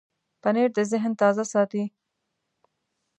پنېر د ذهن تازه ساتي.